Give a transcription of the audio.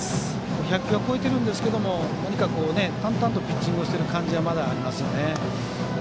１００球は超えているんですが何か、淡々とピッチングしている感じがまだありますよね。